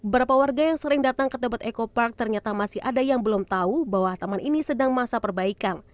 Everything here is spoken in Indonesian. berapa warga yang sering datang ke tebet eco park ternyata masih ada yang belum tahu bahwa taman ini sedang masa perbaikan